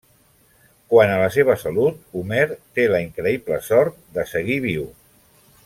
Quant a la seva salut, Homer té la increïble sort de seguir viu.